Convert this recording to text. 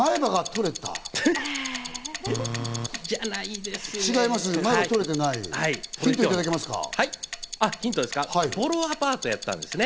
じゃないですね。